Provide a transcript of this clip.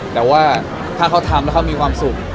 ถ้าเขาทำมีความสุข